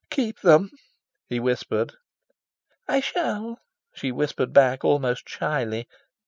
"Keep them!" he whispered. "I shall," she whispered back, almost shyly.